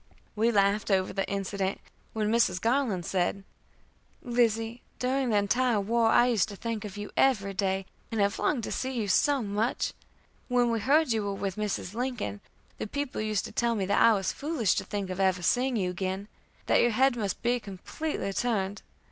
We laughed over the incident, when Mrs. Garland said: "Lizzie, during the entire war I used to think of you every day, and have longed to see you so much. When we heard you were with Mrs. Lincoln, the people used to tell me that I was foolish to think of ever seeing you again that your head must be completely turned.